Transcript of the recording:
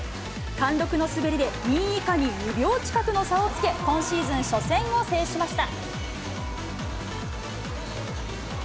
貫禄の滑りで、２位以下に２秒近くの差をつけ、今シーズン初戦を制しました。